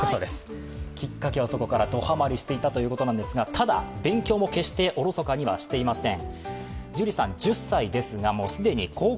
きっかけはそこからドハマりしていったということですが、ただ、勉強も決しておろそかにしていません。